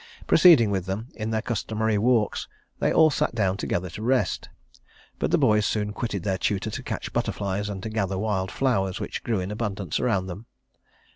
Proceeding with them in their customary walks, they all sat down together to rest; but the boys soon quitted their tutor to catch butterflies, and to gather the wild flowers which grew in abundance around them.